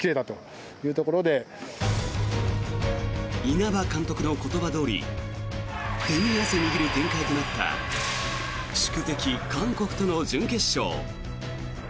稲葉監督の言葉どおり手に汗握る展開となった宿敵・韓国との準決勝。